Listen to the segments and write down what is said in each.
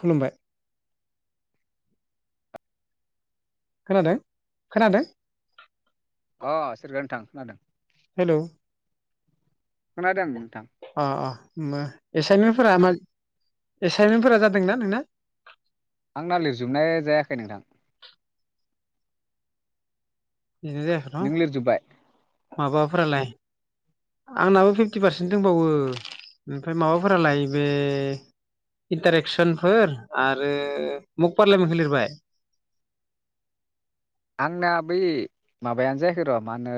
खुलुमबाय। खोनादों खोनादों। अ सोरगोआरि नोंथां खोनादों। हेलौ। खोनादों नोंथां। एसाइमेन्टफोरा मा जादोंना नोंना? आंना लिरजोबनाया जायाखै नोंथां। बेनो जायाखै न। नों लिरजोब्बाय माबाफोरालाय आंनाबो फिफ्टि पारसेन्ट दंबावो। ओमफ्राय माबाफोरालाय बे इन्टारेकसनफोर आरो मक पार्लियामेन्टखौ लिरबाय? आंना बै माबायानो जायाखै र' मा होनो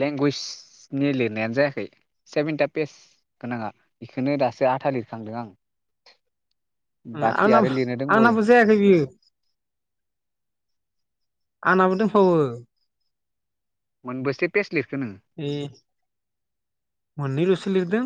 लेंगुवेजनि लिरनायानो जायाखै सेभेनथा पेज गोनाङा बेखौनो दासो आधा लिरखांदों आं। उम बाखि आरो लिरनो दंबावयो आंनाबो जायाखै बियो। आंनाबो दंबावो। मोनबेसे पेज लिरखो नोङो ए मोननै लसो लिरदों।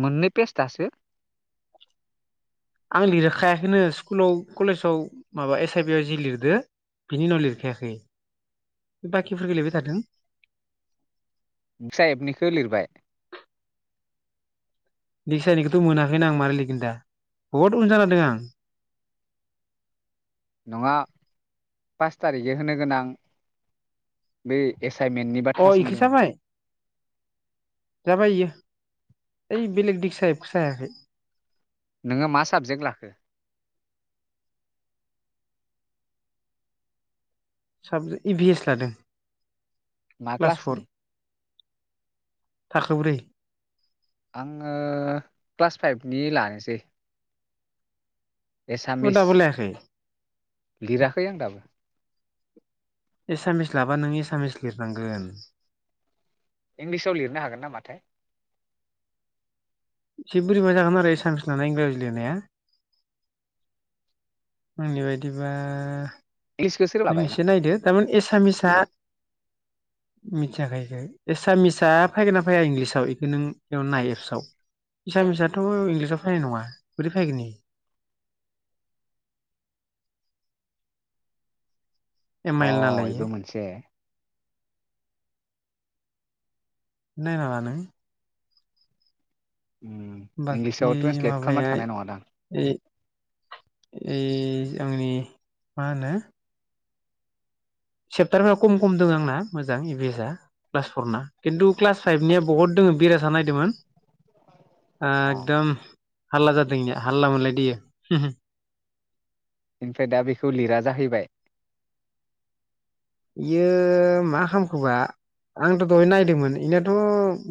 मोननै पेस्ट दासो। आं लिरखायाखैनो स्कुलाव कलेजाव माबा एस आइ बि आव जि लिरदो बिनि उनाव लिरखायाखै बाखिफोर लिरबाय थादों। नोंसा एपनिखौ लिरबाय? दिक्सानिखौथ' मोनाखैना आं मारै लिरगोन दा बुहुद उन जाना दं आं। नङा पास थारिगै होनो गोनां बेै एस साइमेन्टनि अ बाथ्रासो इखो बुंदों आं। जाबाय जाबाय इयो। ओइ बेलेग दिगसा एपखौसो हायाखै। नोङो मा साबजेक्ट लाखो? इ भि एस लादों। मा क्लासनि? थाखोब्रै। आङो क्लास फाइभनि लानोसै। बेखौ एसामिस दाबो लायाखै लिराखै आं दाबो। एसामिस लाबा नों एसामिस लिरनांगोन। इंलिसाव लिरनो हागोन नामाथाय? एसे बोरैबा जागोन आरो एसामिस नालाय इंराजि लिरनाया। आंनि बायदिबा इंलिसखौ सोर नों लाबाय एसे नायदो थारमाने एसामिसआ मिथियाखै एसामिसा फैगोन ना फैया इंलिसाव बेखौ नों बेयाव नाय एफसआव एसामिसाथ' इंलिसाव फैनाय नङा बोरै फैगोन बेयो अ आइल नालाय इयो बेबो मोनसे नायना ला नों उम बाखि इंलिसाव ट्रेन्सलेट खालामना माबाया थानाय नङादां ए ए आंनि मा होनो सेेप्टारफ्रा खम खम दं आंना मोजां इभिएस‌आ क्लास फरना खिन्थु क्लास फाइभनिया बहुत दङ बिराज नायदोंमोन आ अ एकदम हाल्ला जादोंनिया हाल्ला मोनलायदों बियो बेनिफ्राय दा बेखौ लिरा जाहैबाय बियो मा खालामखोबा आंथ' दहाय नायदोंमोन बेनाथ'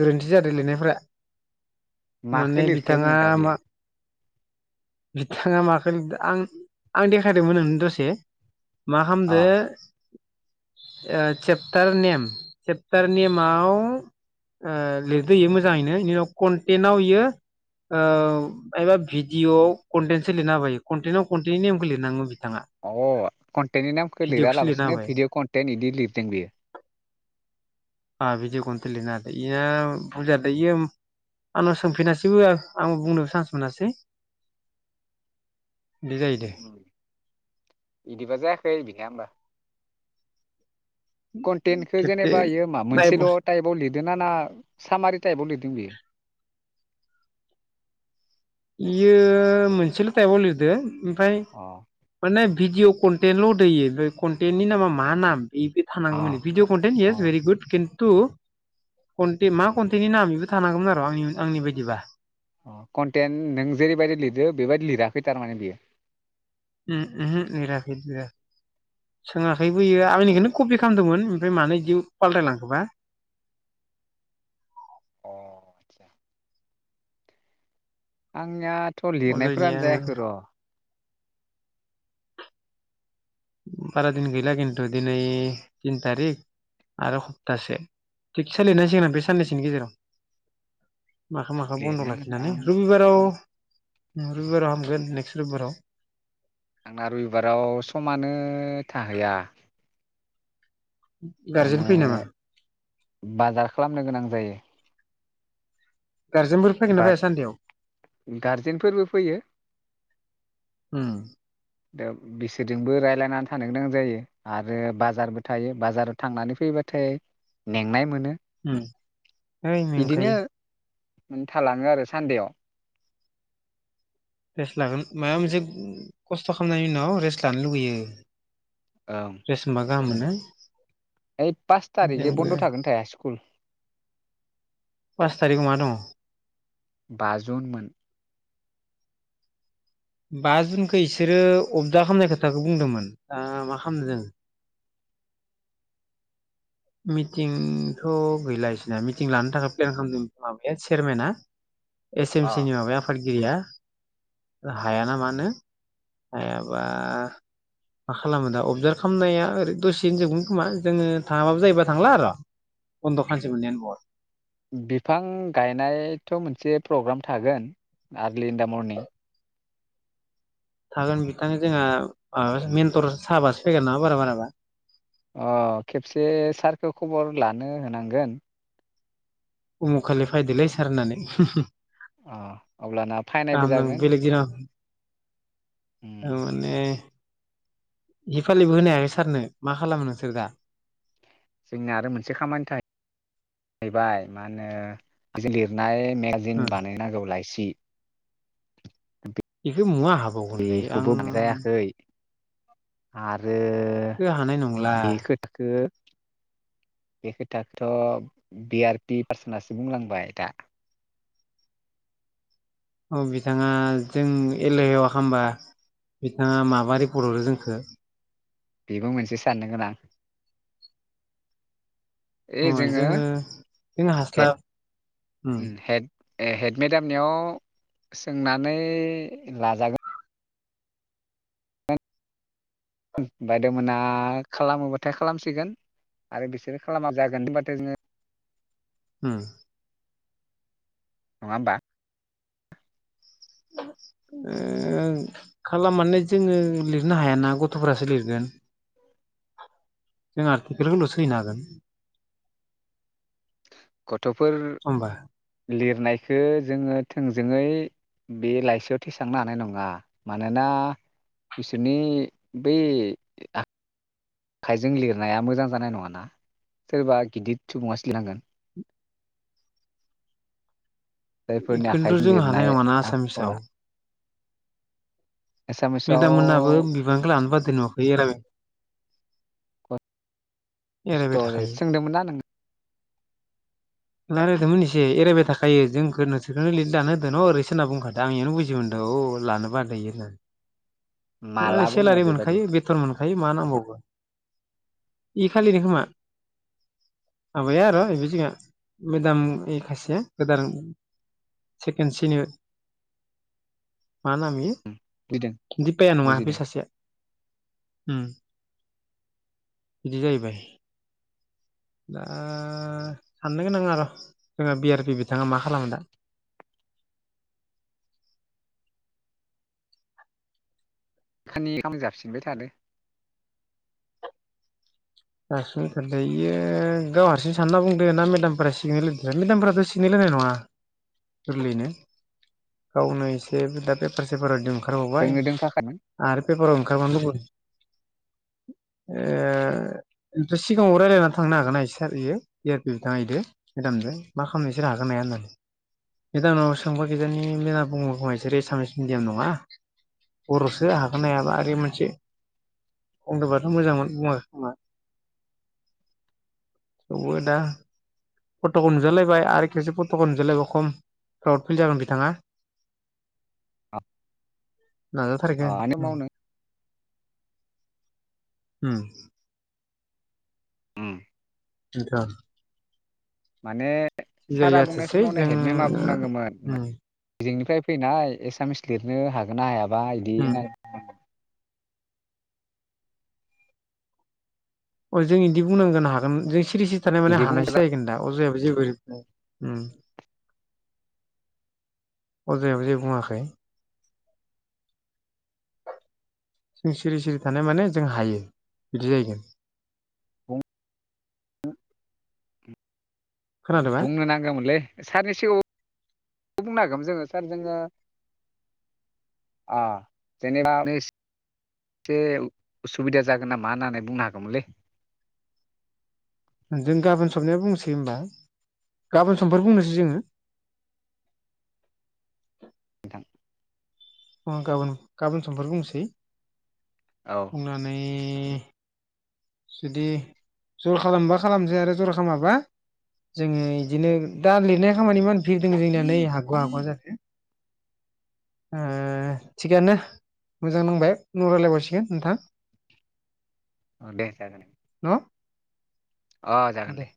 गोरोन्थि जादों लिरनायफ्रा माखौ माने लिरखोनो बिथाङा दा बेयो मा बिथाङा माखौ लिरखो आं देखायदोंमोन नोंनो दसे मा अ खामदो चेप्टार नेम सेेप्टार नेमाव लिरदो इयो मोजाङैनो बिनि उनाव कन्टेनाव बियो माइबा भिडिअ' कन्टेन सो लिरना होबाय इयो कन्टेनाव कन्टेननि नेमखौ लिरनांगोमोन बियो अ कन्टेननि नामखौ लिरा भिडिअखौसो लिरना लाबासिनो होबाय भिडिअ कन्टेन बिदि लिरदों बेयो आ भिडिअखौन्थ लिरनोदों बेना फुल जादों इयो आंनाव सोंफिनासैबो आं बुंनोबो चान्स मोनासै बिदि जाहैदो बिदिबा जायाखै बिना होमबा कन्टेनखौ खेबसे जेनेबा बियो मा मोनसेल' नायबाव टाइपआव लिरदों ना ना सामारि टाइपआव लिरदों बियो इयो मोनसेल' थाइबाव लिरदो ओमफ्राय अ माने भिडियअ कन्टेनल' होदो बेयो कन्टेन्टनि नामा मा नाम बे अ थानांगौमोन भिडिअ कन्टेन्ट अ गैया भेरि गुड खिनथु थु कनथे मा कन्टेटनि नाम बेबो थानांगौमोन आरो आंनि आंनि बायदिबा अ कन्टेन्ट नों जेरैबायदि लिरो बेबायदि लिराखै थारमाने बियो ओम ओहो लिराखै लिराखै सोङाखैबोयो आंनिखौनो कपि खालामदोंमोन ओमफ्राय मानो बिदि फालथायलांखोबा अ आचसा आंनि या थ' अजयनिया लिरनायफोरानो जायाखै र' बारा दिन गैला खिन्थु दिनै तिन थारिख आरो सप्तासे थिग सोलिनांसिगोन आं बे साननैसोनि गेजेराव माखा माखा बन्द' लिरनांगोन लाखिनानै आं रबिबाराव न रबिबाराव हामगोन नेक्स्ट रबिबाराव आंना रबिबाराव समानो थाहैया माने गारजेन फैयो नामा बाजार खालामनो गोनां जायो गारजेनफोर फैगोन ना बा फैया सान्देआव? गारजेनफोरबो फैयो उम। दा बिसोरजोंबो रायलायनानै थानो गोनां जायो आरो बाजारबो थायो बाजाराव थांनानै फैबाथाय मेंनाय मोनो। उम ओइ मेंखायो। नों थालाङो आरो सान्देआव। रेस्ट लागोन माबा मोनसे खस्थ' खालामनायनि उनाव रेस्ट लानो लुगैयो। ओं। गाहाम मोनो। ओइ पास तारिगे जोंबो बन्द' थागोन थाया स्कुल? पास तारिकाव मा दङ? बा जुनमोन। बा जुनखौ इसोरो अबदा खालामनाय खोथाखौ बुंदोंमोन, दा मा खालामनो जों? मिटिंथ' गैला इसिना मिटिं लानो थाखाय प्लेन खालामदों माबाया चेरमेना। एस एम अ एसनि माबाया आफाद गिरिया हाया नामा नो हायाबा मा खालामो दा अबजार्भ खालामनाया ओरै दसेयैनो जोबगोन खोमा जोङो थाङाबा जायोबा थांला आरो बन्द' खानसे मोननायानो बहत। बिफां गायनायथ' मोनसे प्रग्राम थागोन आर्लि इन दा मर्निं। थागोन बिथां जोंहा ओ मेन्टर साबासो फैगोन ना बारा बाराबा। अ' खेबसे सारखौ खबर लानो होनांगोन। उमुगखालि फायदोलै सार होननानै। अ अब्लाना फायनायबो गाहाम नाङो जागोन बेलेक दिनाव। उम ओ ने। हिफालिबो होनो हायाखै सारनो मा खालामो नोंसोर दा? जोंनिया आरो मोनसे खामानि थाखाय जाहैबाय मा होनो बि लिरनाय मेगाजिन बानायनांगौ लायस दि। हे मुवा हाबावगोनलै आं आर बे हानाय नंला। खोथाखो बे खोथाखौथ' बि आर पि पार्सनासो बुंलांबाय दा। औ बिथाङा जों एलेहायाव हामबा बिथाङा माबा रिपर्ट हरो जोंखो। बेबो मोनसे साननो गोनां। अ' जोङो जोङो हेड हास्लाब उम। ए हेड मेदामनियाव सोंनानै लाजागोन। उम बायद'मोना खालामोबाथाय खालामसिगोन आरो बिसोरो खालामा जागोन होनबाथाय जोङो उम। नङा होमबा? ओ खालामनानै जोङो लिरनो हायाना गथ'फोरासो लिरगोन जों आर्टिकेलखौल'सो हैनो हागोन। गथ'फोर होमबा लिर नायखो जोङो थोंजोङै बे लाइसियाव थेसांनो हानाय नङा। मानोना बिसोरनि बै आ खायजों लिरनाया मोजां जानाय नङाना सोरबा गिदिर सुबुङासो लिरनांगोन। जायफोरनि इखोन्थ आखाइजों जों हानाय लिरनाय नङाना आखरा आसामिसाव। एसामिसाव मेदाम मोनहाबो बिबांखौ लानो बाद दो नुवाखै आरो खस्थ'लै सोंदोंमोन ना नों? रायलायदोंमोन एसे एरायबाय थाखायो जोंखो नोंसोरखोनो लिट लानो होदों न' ओरै सोर होनना बुंखादो आं इयावनो बुजि मोन्दों औ लानो बादो इयो होननानै। माला ओ बुंनाय सेलारि बेबादि मोनखायो बेथन मोनखायो मा नांबावगो। इखालिनो खोमा माबाया आरो इबे जोङा मेदामनि खासेया गोदान सेकेन्ड सिनियर मा नाम इयो? बुजिदों दिपाया नङा बे बुजिदों सासेया उम बिदि जायैबाय दा साननो गोनां आर' जोङो बि आर पि बिथाङा मा खालामो दा बेखानि खाम जासिबाय थादो। दासिम खोन्थायै इयो गाव हारसिं सानना बुंदो ना मेदामफोरा सिगनेल होदो मेदामफोराथ' सिगनेल होनाय नङा गोरलैयैनो गावनो एसे दा पेपार सेपाराव [unintelligible] ओंखारबावबाय जोंनो दोंफाखामोन आरो पेपाराव ओंखारबावनो लुबै ए ओमफ्राय सिगाङाव रायलायना थांनो हागोन ना सार इयो बि आर पि बिथाङा इदो मेदामजों मा खालामनो इसोर हागोनना हाया होननानै मेदामनाव सोंबा किजानि मेदामा बुंगोन खोमा इसोरो एसामिस मिडियाम नङा बर'सो हागोन हायाबा ओरै मोनसे बुंदोबाथ' मोजांमोन बुङाखै खोमा। थेवबो दा फटकआव नुजालायबाय आरो खेबसे फटकआव नुजालायबा खम फ्राउड फिल जागोन बिथाङा। आ [inaudible] नाजाथारगोन उम उम। उम। ओनथ' माने सारा बुंनाय जाथोंसै समावनो जों हेडमेमा बुंनांगोमोन उम जोंनिफाय फैनाय एसामिस लिरनो हागोन ना हाया बा इदि उम होननांगो आरो अ जों इदि बुंनांगोन हागोन जों सि रि सिरि थानाय माने बिदि हानायसो जाहैगोन दा अजया [unintelligible] ओम अजयाबो जेबो बुङाखै। जों सिरि सिरि थानाय माने जों हायो बिदि जाहैगोन। [unintelligible] खोनादोंबा बुंनो नांगोमोनलै सारनि सिगाङाव बुंनो हागोमोन जोङो सार जोङो आ जेनेबा एस से उसुबिदा जागोन नामा होननानै बुंनो हागोमोनलै। जों गाबोन सबनिया बुंनोसै होमबा गाबोन समफोर बुंनोसै जोङो। नोंथां। उम गाबोन गाबोन समफोर बुंसै। औ बुंनानै ए जुदि जर खालामबा खालामसै आरो जर खामाबा जोङो इदिनो दा लिरनाय खामानि इमान भिर दोङो जोंनिया नै हागवा हागवा जादो। ओ थिगानो मोजां नांबाय उनाव रायज्लायबावसिगोन नोंथां। अ दे जागोन। न' अ जागोन दे।